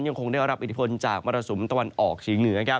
ยังคงได้รับอิทธิพลจากมรสุมตะวันออกเฉียงเหนือ